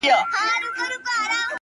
o سیاه پوسي ده ـ جنگ دی جدل دی ـ